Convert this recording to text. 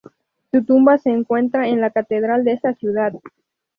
Su tumba se encuentra en la catedral de esta ciudad.